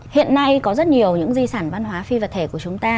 hiện nay có rất nhiều những di sản văn hóa phi vật thể của chúng ta